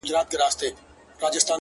• ه ستا د غزل سور له تورو غرو را اوړي؛